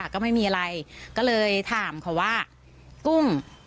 ก็ไม่มีอะไรก็เลยถามเขาว่ากุ้ง